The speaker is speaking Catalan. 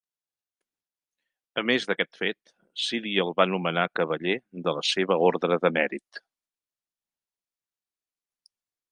A més d'aquest fet, Síria el va nomenar cavaller de la seva Ordre de Mèrit.